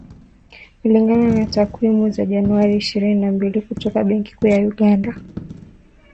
Kulingana na takwimu za Januari ishirini na mbili kutoka Benki Kuu ya Uganda